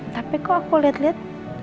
tapi kok aku liat liat